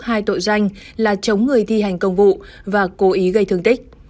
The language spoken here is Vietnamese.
hai tội danh là chống người thi hành công vụ và cố ý gây thương tích